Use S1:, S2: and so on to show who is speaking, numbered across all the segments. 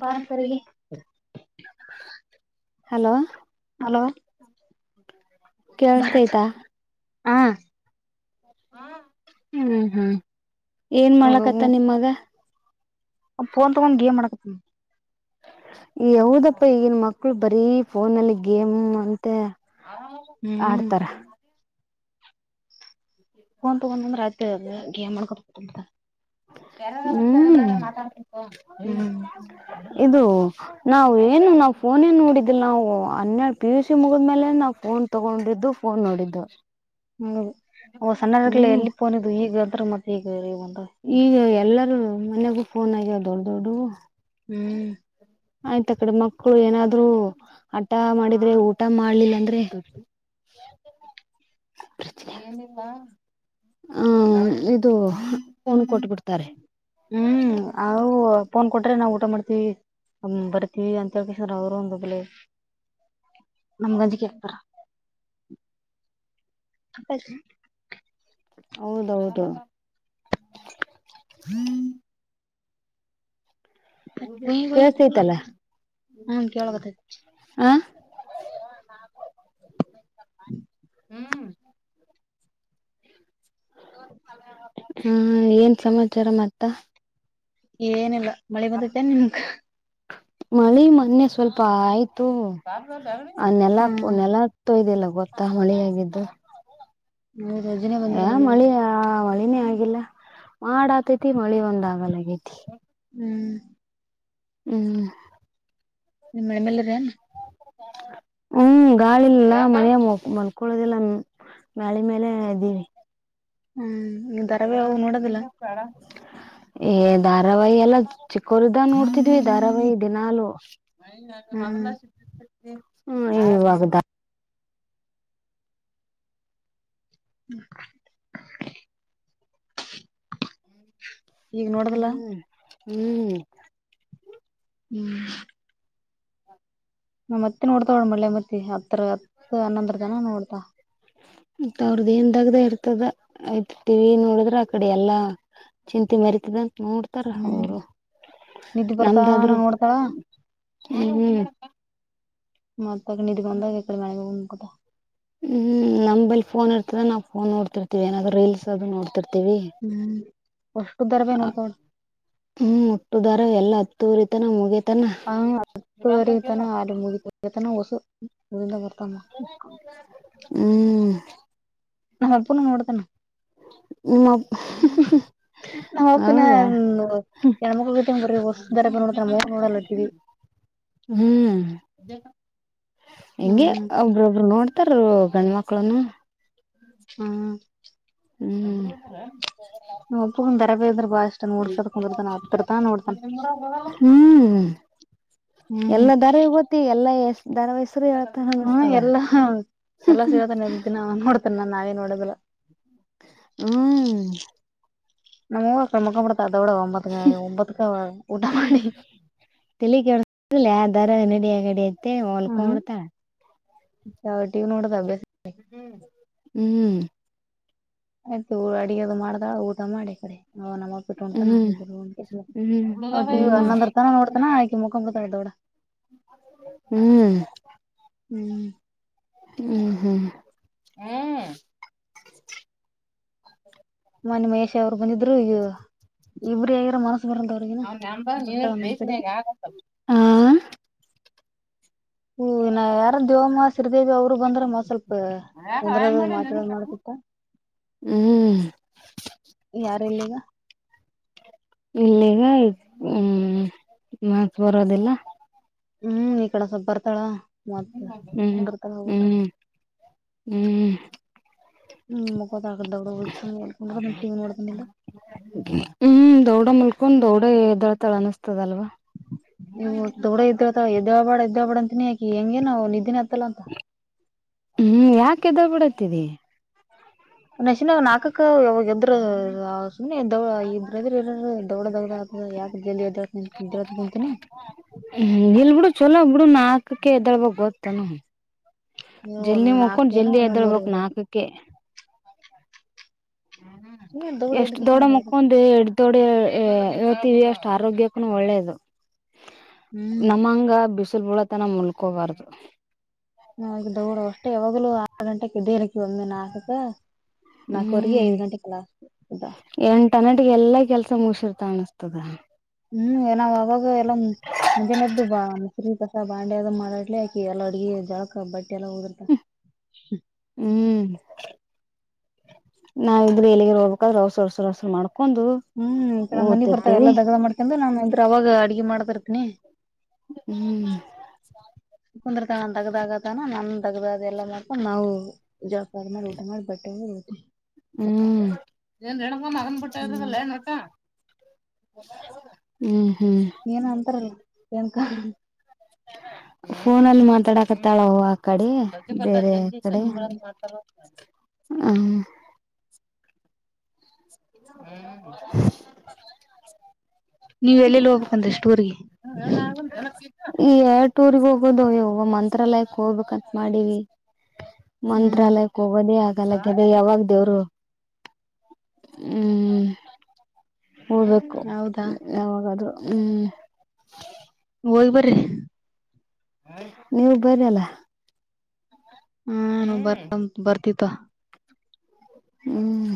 S1: ಬಾರತಾರಿಗೆ hello
S2: hello
S1: ಕೇಳಸ್ತಯ್ತಾ
S2: ಹ
S1: ಹ್ಮ್ ಹ್ಮ್ ಏನ್ ಮಾಡ್ಲಕತ್ತ ನಿಮ್ಮಗ
S2: ಫೋನ್ ತಗೊಂಡನ್ ಗೇಮ ಮಾಡಡಕತ
S1: ಯಾವದಪ್ಪ ಈಗಿನ ಮಕ್ಳು ಬರೀ ಫೋನ್ಲ್ಲಿ ಗೇಮ್ ಅಂತ
S2: ಹ್ಮ್
S1: ಆಡ್ತಾರ.
S2: ಹಫೋನ್ ತಗೊಂಡ ಬಂದ ರಾತ್ ಗೇಮ್ಕ
S1: ಹ್ಮ್
S2: ಹ್ಮ್
S1: ಇದು ನಾವವು ಏನು ನಾವವು ಫೋನ್ ಏನ್ ನೋಡಿದಿಲ್ಲ ನಾವು ಹನ್ನೆಡು ಪಿ ಯು ಸಿ ಮುಗಿದ್ ಮೇಲೆ ನಾವು ಫೋನ್ ತಗೊಂಡಿದ್ದು ಫೋನ್ ನೋಡಿದ್ದು
S2: ಹ್ಮ ಸಣ್ಣಲ್ಲ
S1: ಹ್ಮ್
S2: ಎಲ್ಲಿ ಪೋನಿದ್ದು ಈಗ ಅಂತ್ರು ಮತ್ತೆ ಈಗ
S1: ಈಗ ಎಲ್ಲರೂ ಮನೆಗೂ ಫೋನ್ ಆಗ್ಯವ ದೊಡ್ಡ ದೊಡ್ಡ
S2: ಹ್ಮ್
S1: ಆಯ್ತ ಆ ಕಡೆ ಮಕ್ಳು ಏನಾದ್ರು ಆಟ ಮಾಡಿದ್ರೆ ಊಟ ಮಾಡ್ಲಿಲ್ಲ ಅಂದ್ರೆ ಯ [unintelligible] [inaudible] ಹ್ಮ ಇದು ೋನ್ ಕೊಟ್ಬಿಡ್ತಾರೆ
S2: ಹ್ಮ್ ಅ ೋನ್ ಕೊಟ್ರೆ ನಾವು ಊಟ ಮಾಡ್ತೀವಿ ಬರ್ತಿೀವಿ ಅಂತ ಹೇಳ್ಕಾರ ಅವರು ಒಂದೋಗಲ ನಮ್ ಗಂಜಿ ಕಳ್ತಾರ ಅ [unintelligible]
S1: ಹೌದೌದು
S2: ಗುಯ್ ಗುಯ್ ಅಂತಲ್ಲ
S1: ಕೇಳ್ತೈತಲ್ಲ
S2: ಹ್ಮ್ ಕೇಳಕತ್ತೈತಿ
S1: ಆ
S2: ಹ್ಮ
S1: ಹ್ಮ್ ಹ್ಮ ಏನ್ ಸಮಾಚಾರ ಮತ್ತ
S2: ಏನಿಲ್ಲ ಮಳೆ ಬಂದತನ್ ನಿಮಗ
S1: ಮಳೆ ಮೊನ್ನೆ ಸ್ವಲ್ಪ ಆಯ್ತು ಆ ನೆಲ
S2: ಹ್ಮ್
S1: ನೆಲಗ್ತಯ್ದಿಲ್ಲ ಗೊತ್ತಾ ಮಳೆ ಆಾಗಿದ್ದು
S2: ಹೌದು ಅಜ್ಜಿನೇ ಬಂದಿಲ್ಲ
S1: ಮಳಿ ಮಳ ಏನೇ ಆಗಿಲ್ಲ ಮಾಡಾತೈತಿ ಮಳಿ ಒಂದ ಆಾಗಲ್ಲಗೈತಿ
S2: ಹ್ಮ್
S1: ಹ್ಮ್
S2: ನಿಮ್ಮ ಮಮೇಲೆರನ್
S1: ಹ್ಮ್ ಗಾಳಿಿಲ್ಲಲ್ಲ ಮನೆಯ ಮನ್ಕೊಳದಿಲ್ಲಾನ ಮಳೆ ಮೇಲೆ ಇದ್ದೀವಿ
S2: ಹ್ಮ್ ನೀ ದಧಾರಾವ್ಯವು ನೋಡದಿಲ್ಲ
S1: ಏ ಧಾರಾವಾಹಿ ಎಲ್ಲ ಚಿಕ್ಕವರು್ದ ನೋಡ್ತಿದ್ವಿ ಧಾರಾವಾಹಿ ದಿನಾಲುೂ
S2: ಹ್ಮ್
S1: ಹ್ಮ್ ಇವಾಗದಾ
S2: ಹ್ಮ ಈಗ ನೋಡ್ದಲ
S1: ಹ್ಮ್ ಹ್ಮ್
S2: ಹ್ಮ್
S1: ಹ
S2: ನ ಮತ್ತೆ ನೋಡ್ತಾ ಒಳ ಮಳ್ಳೆ ಮತ್ತ ಹತ್ರ ಹತ್ ಹನ್ನಂದ್ರದನ ನೋಡ್ತಾ
S1: ಮ ಅವ್ರದ ಏನ್ ದಾಗ್ದ ಇರ್ತದ ಆಯ್ತ ಟಿವ ನೋಡಿದ್ರ ಆ ಕಡೆ ಎಲ್ಲಾ ಚಿಂತೆ ಮರಿತದಂತೆ ನೋಡ್ತಾರ
S2: ಹ್ಮ್
S1: ಅವರು
S2: ನಿದ್ದಿ ಬರ್ತಾನ
S1: ನಮ್ದಾದ್ರು
S2: ನೋಡ್ತಾಳ
S1: ಹ್ಮ್
S2: ಮತ್ತ ನೀಿದ್ದಗಂದಾಗ ಕಡೆ ಮಾಡ ಮುದ
S1: ಹ್ಮ್ ನಂಬಲ್ಲಿ ಫೋನ್ ಇರ್ತದ ನಾವುಫೋ ನೋಡ್ತಿರ್ತಿವಿ ಏನಾದ್ ರಲ್ಸ್ ಅದು ನೋಡ್ತಿರ್ತಿೀವಿ
S2: ಹ್ಮ್ ಅಷ್ಟು ಧಾರಾವಾಹಿ ನೋಡ್ತಾಳ
S1: ಹ್ಮ್ ಮುಟ್ಟುದಾರ ಎಲ್ಲ ತೂರಿತ ನ ಮುಗಗೆ
S2: ಹತ್ತುವರೆತನ ಆ ಮುಗತನ ಹೊಸು ಬರ್ತ ಹ
S1: ಹ್ಮ್
S2: ಅಪ್ಪನು ನೋಡ್ತಾನ
S1: ಹ [unintelligible]
S2: ನಾ ಅಪ್ಪನ ಎ ಮಗ ಗ ಬರಿ ವಸ್ ನೋಡಗ ನೋಡಲ್ಲಟ್ಟಿವವಿ
S1: ಹ್ಮ್ ಹೆಂಗೆ
S2: ಹ್ಮ್
S1: ಒಬ್ರೊಬ್ರು ನೋಡ್ತಾರ ಗಂಡ್ಮಕ್ಳನು
S2: ಹ್ಮ
S1: ಹ್ಮ್
S2: ನಮ್ಮ ಅಪ್ಪಗನ ಧಾರಾವಾಹಿ ಅಂದ್ರ ಬಾಳ ಇಷ್ಟ ನೋಡ್ಕಂತ ಕುಂದರ್ತಾನ ಹತ್ತರ ತನ ನೋಡ್ತಾನ
S1: ಹ್ಮ್
S2: ಹ್ಮ್
S1: ಎಲ್ಲ ದಾರ ತಿ ಎಲ್ಲ ಎಷ್ಟ ಧಾರಾವಾಹಿ ಹೆಸರು ಹೇಳ್ತಾರ
S2: ಹ್ಮ್
S1: ಅನಸ್ತದ
S2: ಎಲ್ಲಾ ಎಲ್ಲಾ ಸಿಗತೆ ದಿನ ನೋಡ್ತೇನೆ ನಾನ್ ನಾವೇ ನೋಡದಿಲ್ಲ
S1: ಹ್ಮ್
S2: ನಮ್ಮ್ ಊವ ಕ್ರಮಕ ಬಿಡ್ತ ಅದೋಡ ಒಂಬತ್ ಒಂಬತ್ಕ ಉಊಟ ಮಾಡಿ
S1: ತೆಲುಗೆ ಅದರ ಅನ್ನಡಿ ಆಗಡಿ ಐತೆ
S2: ಹ್ಮ್
S1: ಹೊಲ್ಕೊಡ್ತಾಳ
S2: ಟಿವಿ ನೋಡ ಅಭ್ಯಾಸ
S1: ಹ್ಮ ಹ್ಮ್
S2: ಆಯ್ತುಊ ಅಡಿಯದು ಮಾಡ್ದಾ ಊಟ ಮಾಡಿ ಕಡೆ ಹ ನಮ್ಮ ನಮ್ಮಪ್ಪ ಇತ್ತು ಅಂತ
S1: ಹ್ಮ್ ಹ್ಮ್
S2: ಟಿವಿ ಹನ್ನೊಂದು ಗಂಟೆ ನೋಡ್ತಾನ ಆಕಿ ಮುಕೊಂಡ್ ಬಿತಾೊ
S1: ಹ್ಮ್
S2: ಹ್ಮ್
S1: ಹ್ಮ್ ಹ್ಮ್ ಹ್ಮ್
S2: ಮನೆ ಮಹೇಶ್ ಅವ್ರು ಬಂದಿದ್ರು ಈಗ
S1: ಅವನ ಅಂಬ ನೀನ
S2: ಬರ್ತಾಳ ಮನಿ ಕಡೆ
S1: ಬೇಸಿನಯಾಗ ಆಗತ್ತ ಹಾ
S2: ಹು ಇನ್ನ ಯಾರ ದೇವಮ್ಮ ಶ್ರೀದೇವಿ ಅವರು ಬಂದ್ರ ಮ ಸ್ವಲ್ಪ ಕುಂದ್ರೋದು ಮಾತಡ್ ಮಾಡ್
S1: ಹ್ಮ್
S2: ಯಾರ ಎಲ್ಲಿಗ
S1: ಇಲ್ಲಿಗ್ ಹ್ಮ್ ಮಾತ್ ಬರೋದಿಲ್ಲ
S2: ಹ್ಮ್ ಈ ಕಡಸೊಬ್ ಬರ್ತಾಳ ಮತ್
S1: ಹ್ಮ್
S2: ಕುಂದರ್ತಾಳ ಹೋಗ
S1: ಹ್ಮ್ ಹ್ಮ್
S2: ಹ್ಮ್ ಮುಗೋದ ಆದ ಅವಡ ಸಮಯಕೊಂಡ್ರಟ ನೋಡ್ದಿಲ್ಲ
S1: ಹ್ಮ್ ದೊಡ್ಡ ಮುಲ್ಕಂದ್ ದೊಡ್ಡ ಎ್ದಳ್ತಾಳ ಅನಸ್ತದಲ್ವಾ
S2: ಇವು ದೊಡ್ಡ ಇದ್ದ್ರತ ಎದ್ದ ಬಾಡ್ ಎದ್ಬಾಡ್ ಅಂತನಿ ಯಾಕಿ ಹೆಂಗ ನವು ನಿದ್ದೆ ಹತ್
S1: ಹ್ಮ್ ಯಾಕೆದ ಬಿಿಡತಿದಿ
S2: ಒಶಿನ ನಾಕಕ್ಕ ಯಾವಾಗ ಎದ್ರರು ಸುಮ್ಮನೆ ದ ಇಬರುದ್ರರ ದೊಡ ದೊಗಡ ಆ ಯಾಕ್ ಎದೋ [inaudible] ದಂತಿನಿ
S1: ಹ್ಮ್ ಇಲ್ ಬಿಿಡು ಚೊಲೋ ಬಿಡು ನಾಲ್ಕಕ್ಕೆ ಎದ್ದಳ್ಬು ಗೊತ್ತಾನ
S2: ನೀವು
S1: ಜಲ್ದಿ ಮುಕೊಂಡು
S2: ನಾಲ್ಕೇನೋ
S1: ಜಲ್ದಿ
S2: ಒಮ್ಮೊಮ್ಮೆ
S1: ಎದಳ್ಬೇಕು
S2: ಮೂರುವರೆ
S1: ನಾಲ್ಕಕೆ
S2: ಸುಮ್ನೆ ದೌಡ ಎದ್ದ
S1: ಎಷ್ಟ್ ದೊಡ್ಡ
S2: ಕಿಶಿಂದರ
S1: ಮುಕ್ಕುಂದ ಎಡ್ ದೊಡ್ಡ ಹೇಳ್ತೀವಿ ಅಷ್ಟು ಆರೋಗ್ಯಕ್ಕೂನ ಒಳ್ಳೇದು
S2: ಹ್ಮ್
S1: ನಮ್ಮಂಗ ಬಿಸಿಲು ಬುಳತನ ಮುಲ್ಕಬಾರ್ದು
S2: ನ ದೌಡ ಅಷ್ಟೇ ಯಾವಾಗ್ಲೂ ಆರ್ ಗಂಟಕ್ಕೆ ದೇರಕ್ಕೆ ಒಮ್ಮೆ ನಾಕಕ್ಕ
S1: ಹ್ಮ್
S2: ಇದ್ದ
S1: ಎಂಟ ನಟಿಗೆ ಎಲ್ಲಾ ಕೆಲ್ಸ ತ್ತ ಮುಗ್ಸಿರ್ತ ಅನ್ನಿಸ್ತದ
S2: ಹ್ಮ್ ನಾವ್ ಆವಾಗ ಎಲ್ಲ ಮುಂಜಾಲೆದ್ದು ಬಾ ಈ ತಸ ಬಾಂಡೆ ಅದ ಮಾಡಾಡ್ಲಿ ಆಕಿ ಎಲ್ಲ ಅಡ್ಗಿ ಜಳಕ ಬಟ್ಟೆ ಎಲ್ಲಾ ಒಗ್ದಿರ್ತಾಳ್
S1: ಹ್ಮ್ ನಾವಿದ್ರೆ ಎಲ್ಲಿಗಾರ ಹೋಗ್ಬೇಕಾದ್ರ ಅವಸರಸರಸರ ಮಾಡ್ಕ್
S2: ಹ್ಮ್ ಇ ಕಡೆ ಮನಿ ಬರ್ತಾರೆ ಎಲ್ಲಾ ದಗ್ಡ ಮಾಡ್ಕಂದ್ರ ನಾನ್ ಅಂದ್ರ ಅವಾಗ ಅಡ್ಗೆ ಮಾಡ್ತಿರ್ತೀನಿ
S1: ಹ್ಮ್
S2: ಕುಂದ್ರ ತನ ತಗ್ದಾಗತನ ನನ್ ತಗ್ದ ಅ ಎಲ್ಲ ಮಕೊಂಡು ನಾವು ಜಳಕ ಮಾಡಿ ಊಟ ಮಾಡಿ ಬಟ್ಟೆ ಒಗ್ದು [unintelligible]
S1: ಹ್ಮ್ ಏನ್ ರೇಣುಕಾ ಮಗನ್ ಬಿಟ್ಟ್
S2: ಹ್ಮ್
S1: ಹೋಯ್ತದಲ್ಲೇ [unintelligible] ಹ್ಮ್
S2: ಏನೋ ಅಂತಾರಲ್ಲ ಏನ್
S1: ಫೋನಲ್ಲಿ ಮಾತಾಡಕತ್ತಾಳ ಅವ್ವ ಆ ಕಡಿ ಬೇರೆ ಕಡೆ
S2: ಹ್ಮ್
S1: ಹ್ಮ [unintelligible]
S2: ನೀವ್ ಎಲ್ಲೆಲ್ಲಿ ಹೋಗ್ಬೇಕಂದ್ರೆಷ್ಟು ಊರ್ರಿಗೆ
S1: [inaudible] ಈಗ್ ಎರ್ಡ್ ಟೂರ್ಗ್ ಹೋಗ್ಬಂದೋ ಯವ್ವ ಮಂತ್ರಾಲಯಕ್ ಹೋಗ್ಬೇಕಂತ ಮಾಡೀವಿ
S2: ಹ್ಮ್
S1: ಮಂತ್ರಾಲಯಕ್ಕ್ ಹೋಬನ್ನಿ ಆ ಆ ಲೆಕ್ಕದಲ್ಲಿ ಯಾವಾಗ ದೇವರು ಹ್ಮ್ ಹೋಬಕ್ಕು
S2: ಹೌದಾ
S1: ಯಾವಾಗದ್ರು ಹ್ಮ್
S2: ಹೋಗ್ ಬರ್ರಿ
S1: ನೀವು ಬರ್ರಿ ಅಲ್ಲ
S2: ಹ್ಮ ಬರ್ತಮ್ ಬರ್ತಿವ್ ತಗೊ
S1: ಹ್ಮ್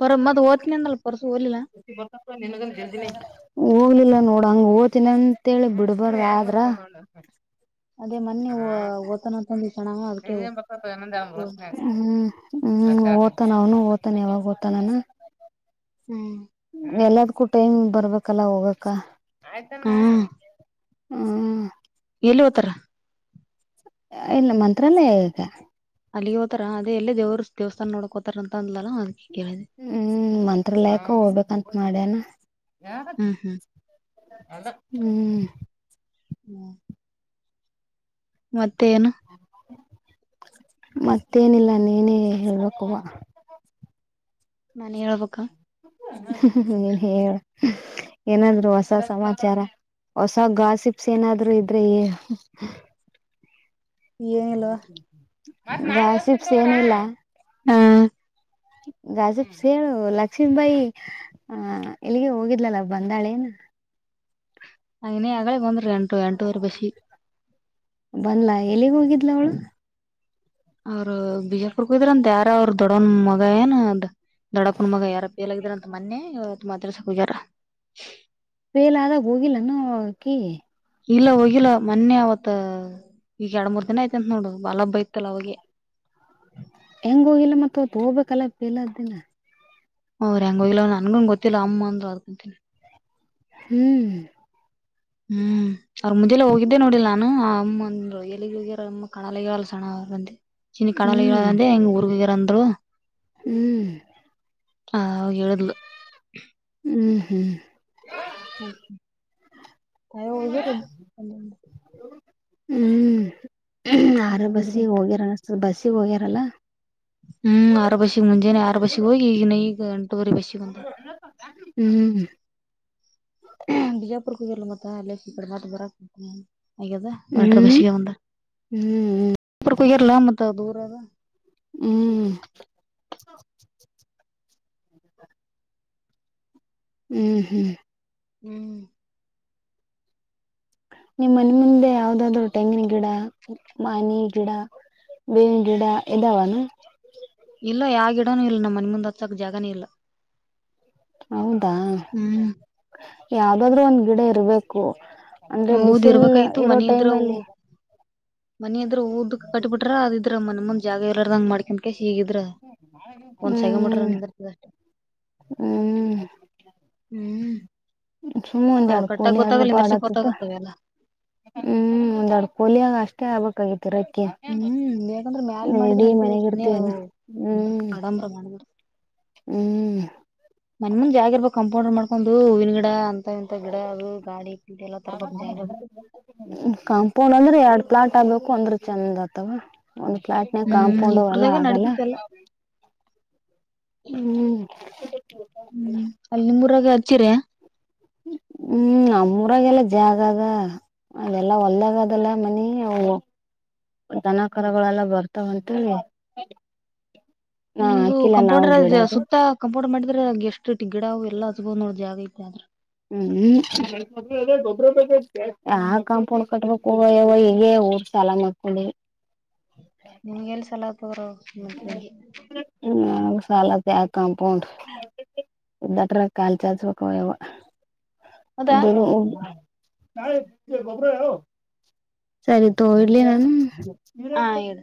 S2: ಬರ ಮೊದ್ಲ್ ಓದ್ತಿನಂದಲ್ಲ ಪರ್ಸು ಓದ್ಲಿಲ್ಲ
S1: ಹೋಗ್ಲಿಲ್ಲ ನೋಡ್ ಹಂಗ್ ಓತಿನಂತೇಳಿ ಬಿಡ್ಬರ್ ಆದ್ರ
S2: ಅದೇ ಮೊನ್ನಿ ಓತನ ಅನ್ಕೊಂಡಿದ್
S1: [unintelligible] ಹ್ಮ್ ಹ್ಮ್ ಓದತಾನ ಅವನು ಓದತಾನೆ ಯಾವಾಗ ಓದ್ತಾನಾನ
S2: ಹ್ಮ್
S1: ಎಲ್ಲದಕ್ಕೂ ಟೈಮ್ ಬರ್ಬೇಕಲ್ಲ ಹೋಗಕ
S2: ಹ್ಮ್
S1: ಹ್ಮ್
S2: ಎಲ್ಲಿ ಹೋತಾರ
S1: ಇಲ್ಲೇ ಮಂತ್ರಾಲಯಕ್ಕ
S2: ಅಲ್ಲಿಗೆ ಹೋತರ ಅದೆ ಎಲ್ಲ ದೇವರು ದೇವಸ್ಥಾನ ನೋಡಕ್ಕೋತಾರ ಅಂತ್ ಅಂದ್ಲಲ್ಲಾ ಅದಕ್ಕೆ ಕೇಳಿದೆ
S1: ಹ್ಮ್ ಮಂತ್ರಾಲಯಕ್ಕ ಹೋಗ್ಬೇಕಂತ ಮಾಡ್ಯನ
S2: ಹ್ಮ್
S1: [unintelligible] ಹ್ಮ್
S2: ಹ್ಮ್ ಮತ್ತೇನ
S1: ಮತ್ತೇನಿಲ್ಲ ನೀನೇ ಹೇಳ್ಬೇಕವ್ವಾ
S2: ನಾನೇಳ್ಬೇಕಾ
S1: ನೀನ್ ಹೇಳ ಏನಾದ್ರು ಹೊಸ ಸಮಾಚಾರ ಹೊಸ ಗಾಸಿಪ್ಸ್ ಏನಾದ್ರು ಇದ್ರೆ
S2: ಏನಿಲ್ವಾ
S1: ಗಾಸಿಪ್ಸ್ ಏನಿಲ್ಲ
S2: ಹಾ
S1: ಗಾಸಿಪ್ಸ್ ಹೇಳು ಲಕ್ಷ್ಮೀಬಾಯಿ ಆ ಎಲ್ಲಿಗೆ ಹೋಗಿದ್ಲಲ್ಲ ಬಂದಾಳೇನು [inaudible]
S2: ವೈನಿ ಆಗಳೆ ಬಂದ್ರು ಎಂಟು ಎಂಟೂವರೆ ಬಸ್ಸಿಗ್
S1: ಬಂದ್ಲಾ ಎಲ್ಲಿಗ್ ಹೋಗಿದ್ಲ ಅವಳು
S2: ಅವ್ರು ಬಿಜಾಪುರಕ್ಕ್ ಹೋಗಿದ್ರಂತ್ ಯಾರೋ ಅವ್ರ್ ದೊಡ್ಡಮ್ಮನ್ ಮಗ ಏನ ದೊಡ್ಡಪ್ಪುನ್ ಮಗ ಯಾರ ಪ ಎಲ್ಲಾಗಿದಾರ ಅಂತ ಮೊನ್ನೆ ತು ಮಾತ್ರಸ ಹೋಗ್ಯಾರ
S1: ಬೇಲ ಆದಾಗ ಹೋಗಿಲ್ಲಾನಕಿ
S2: ಇಲ್ಲ ಹೋಗಿಲ್ಲ ಮೊನ್ನೆ ಅವತ್ ಈಗ ಎರ ಮೂರ್ ದಿನ ಐತಿ ಅಂತತ್ ನೋಡು ಬಲಬ್ಬ ಇಯತಲ್ಲ ಅವೆ
S1: ಹೆಂಗ ಹೋಗಿಲ್ಲ ಮತ್ತ ತಗಬೇಕಲ್ಲ ಪೇಲದ ದಿನ
S2: ಹ್ರ ಹಂಗ ಹೋಗ್ಲ ನನ್ಗೂನ್ ಗೊತ್ತಿಲ್ಲ ಅಮ್ಮ ಅಂದ್ರು ಅದಕಂತನಿ
S1: ಹ್ಮ್
S2: ಹ್ಮ್ ಅವ್ರ್ ಮುಂದೆಲ್ಲ ಹೋಗಿದ್ದೆ ನೋಡಿಲ್ಲ ನಾನು ಆ ಅಮ್ಮಂದರು ಎಲ್ಲಿಗ್ ಹೋಗ್ಯಾರ ಅಮ್ಮ ಕಣಲೆಗಾ ಸಣ ಅವರು ಚನಿ
S1: ಹ್ಮ್
S2: ಕಣಲೆಗಾಂದ ಹೆಂಗ್ ಊರುಗಗೆಂದರು
S1: ಹ್ಮ್
S2: ಹ ಅವ ಹೇಳುದ್ಲು
S1: ಹ್ಮ್ ಹ್ಮ್
S2: ಹೌ ಹ ಹಗ
S1: ಹ್ಮ್ ಯರ ಬಸ್ಸಿಗೆ ಹೋಗಿರತ ಬಸ್ಸಿಗೆ ಹೋಗ್ಯಾರಲ್ಲ
S2: ಹ್ಮ್ ಆರ ಬಸಿಗೆ ಮುಂಜಾನೆ ಆರು ಬಸಿಗೆ ಹೋಗಿ ಈಗ ನ ಈಗ ಗಂಟಗರಿ ಬಸಿಿಗೆ ಮುಂದೆ
S1: ಹ್ಮ್
S2: ಬಜಾಪು ಕು ಅಲ್ಲ ಮತಲ್ಲಕ ಪ್ರಮಾತ್ ಬರ ಆಗದ ಮಟರ್
S1: ಹ್ಮ್
S2: ಬಶಿಕ
S1: ಹ್ಮ್ ಹ್ಮ್
S2: ಕ ಯಾರ ಲಾಮತ್ತ ದೂರದ
S1: ಹ್ಮ್ [inaudible] ಹ್ಮ್ ಹ್ಮ್
S2: ಹ್ಮ್
S1: ನಿಮ್ಮ ಮನೆ ಮುಂದೆ ಯಾವ್ದಾದ್ರು ತೆಂಗಿನ ಗಿಡ ಮಾನೆ ಗಿಡ ವೇಣಜಡ ಎದಾವನು
S2: ಇಲ್ಲ ಯಾವಿಡಾನೂ ಇಲ್ಲ ನಮ್ಮ ಮನೆ ಮುಂದ್ ಹತ್ಚ್ಚಕ್ ಜಾಗನೇ ಇಲ್ಲ
S1: ಹೌದು
S2: ಹ್ಮ್
S1: ಯಾವ್ದಾದ್ರು ಒಂದ್ ಗಿಡ ಇರಬೇಕು ಅಂದ್ರೆ
S2: ಹೌದ್
S1: ಬಿಸಿಲ್ ಇರೋ ಟೈಮ್ ಅಲ್ಲಿ
S2: ಮನ ಅದ್ರ ದ ಕಟ್ಟಿ ಬಿಟ್ರ ಅದ ಇದ್ರ ಮಮ್ಮಂದ್ ಜಾಗ ಎರದಂಗ ಮಾಡ್ ಹೀಗಿದ್ರ ಒಂದ್ ಸಗ ಮಿಟ್ರ
S1: ಹ್ಮ್
S2: ನಿಿಂದರ್ತ ಅಷ್ಟೆ
S1: ಹ್ಮ್
S2: ಹ್ಮ್
S1: ಸುಮ್ಮ ಮು ಒಂದ ಆಡ್ಕೋನಿ ಯಗ್ರೆ ಬಾಡ ಆತತ
S2: ಗೊತ್ತಾಗತ್ತವೆ ಎಲ್ಲ
S1: ಹ್ಮ್ ಒ ದಡು ಪೋಲಿಯಾಗ ಅಷ್ಟೇ ಆಗ್ಬೇಕಾಗಿತ್ತು ತರಕ್ಕೆ
S2: ಹ್ಮ್ ಯಾಕಂದ್ರ ಮ್ಯಾಲ ಮಾಡಿದ್ರ
S1: ಇಡೀ
S2: ನಡತದ
S1: ಮನೆಗ
S2: ಸುಮ್ನೆ
S1: ಇರ್ತವಾನ
S2: ಅವು
S1: ಹ್ಮ್
S2: ಆಡಂಬ್ರ ಮಾಡಿದ್ರ
S1: ಹ್ಮ್
S2: ಮನ್ಮಂದ್ ಜಾಗ ಇರ್ಬೇಕಕ್ ಕಂಪೌಂಡರ್ ಮಾಡ್ಕೊಂಡು ಹೂವಿನ ಗಿಡ ಅಂತ ಇಂತ ಗಿಡ ಅದು ಗಾಡಿ ಪಿ ಎಲ್ಲಾ ತರಬಕ್ ಜಾಗ [inaudible]
S1: ್ಮ ಕಾಂಪೌಂಡ್ ಅಂದ್ರೆ ಎರಡ್ ಪ್ಲಾಟ್ ಆಗ್ಬೇಕು ಅಂದ್ರೆ ಚೆಂದ್ ಆತವ ಒಂದು ಫ್ಲಯಾಟ್ನ
S2: ಹ್ಮ್
S1: ಕಾಂಪೌಂಡ ಎಲ್ಲಾ
S2: ಇವ್ರದಾಗ
S1: ಆಗಲ್ಲ
S2: ನಡೀತಿತ್ತ ಎಲ್ಲ
S1: ಹ್ಮ್
S2: ಹ್ಮ್ ಅಲ್ಲಿ ನಿಮೂರಾಗ ಹಚ್ಚಿರ
S1: ಹ್ಮ್ ನಮ್ಮೂರಾಗಲ್ಲ ಜಾಗದ ಅದೆಲ್ಲ ಒಲ್ಾಗ ಅದಲ್ಲ ಮನಿ ಅವ ದನಕರಗಳೆಲ್ಲ ಬರ್ತಾವಂತೇಳಿ
S2: ನಿಮ್ದು ಕಂಪೌಂಡರ್ ಸುತ್ತ ೋಡ್ ಮಾಡಿದ್ರ ಎಷ್ಟುಿ ಗಿಡಾವು ಎಲ್ಲ ಹಸಬೋ್ ನೋಡ ಜಾಗ ಐತೆ ಆದ್ರೆ
S1: ಹ್ಮ್ ಯ ಕಾಂಪೌಂಡ್ ಕಟ್ಬೇಕೋಗ ಯವ ಹ ರ್ ಸಾಲ ಮಾಡ್ಕೊಂಡಿ
S2: ನಿನ್ಗೆಲ್ ಸಲ ತಗರು ನಿ ಮತ್ತ ಬಗೆ
S1: ಸಾಲಾಗ ಕಾಂಪೌಂಡ್ ಇದ್ದಾತ್ರಗ ಕಾಲ್ ಚಾಚ್ಬೇಕ ಯವ
S2: ಹೌದಾ
S1: ಒದ [unintelligible] ಸರಿ ತ ಇಡ್ಲಿ ನಾನು
S2: ಹ ಇಡು